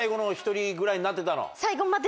ぐらいになってたの？